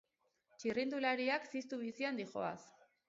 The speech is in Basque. Txirrindulariak ziztu bizian dijoaz!